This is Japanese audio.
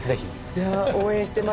いや応援してます。